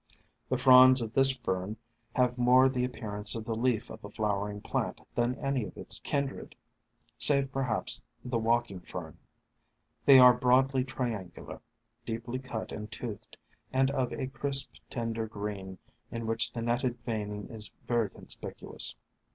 The fronds of this Fern have more the appearance of the leaf of a flowering plant than any of its kindred, save perhaps the Walking Fern. They are broadly triangular, deeply cut and toothed, and of a crisp, tender green in which the netted veining is very conspicuous.